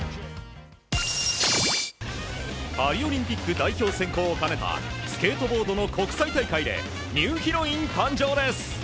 パリオリンピック代表選考を兼ねたスケートボードの国際大会でニューヒロイン誕生です。